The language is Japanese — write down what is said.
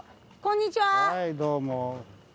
はいどうも。